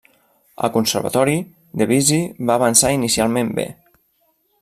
Al Conservatori, Debussy va avançar inicialment bé.